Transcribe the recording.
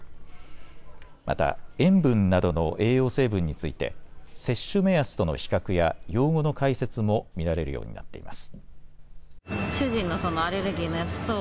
また塩分などの栄養成分について摂取目安との比較や用語の解説も見られるようになっています。